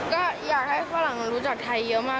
ก็อยากให้ฝรั่งรู้จักไทยเยอะมาก